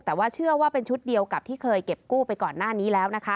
แต่ว่าเชื่อว่าเป็นชุดเดียวกับที่เคยเก็บกู้ไปก่อนหน้านี้แล้วนะคะ